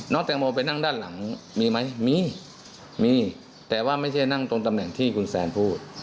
แตงโมไปนั่งด้านหลังมีไหมมีมีแต่ว่าไม่ใช่นั่งตรงตำแหน่งที่คุณแซนพูด